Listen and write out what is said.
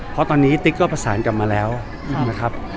เพราะตอนนี้ติ๊กก็ประสานกลับมาแล้วนะครับ